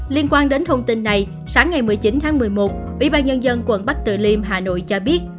liên quan đến thông tin này sáng ngày một mươi chín tháng một mươi một ủy ban nhân dân quận bắc từ liêm hà nội cho biết